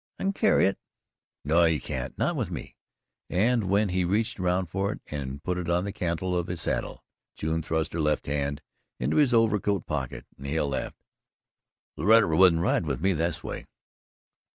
"I can carry it." "No, you can't not with me," and when he reached around for it and put it on the cantle of his saddle, June thrust her left hand into his overcoat pocket and Hale laughed. "Loretta wouldn't ride with me this way."